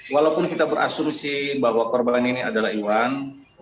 walaupun kita berasumsi bahwa korban ini adalah iwan